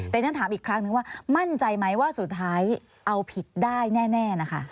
แต่ฉันถามอีกครั้งนึงว่ามั่นใจไหมว่าสุดท้ายเอาผิดได้แน่นะคะ